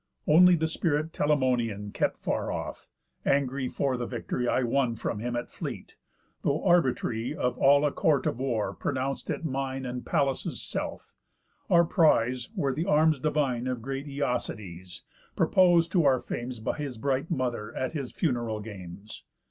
Only the spirit Telamonian Kept far off, angry for the victory I won from him at fleet; though arbitry Of all a court of war pronounc'd it mine, And Pallas' self. Our prise were th' arms divine Of great Æacides, proposd t' our fames By his bright Mother, at his funeral games.